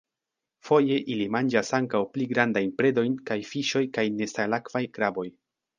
Foje ili manĝas ankaŭ pli grandajn predojn kiaj fiŝoj kaj nesalakvaj kraboj.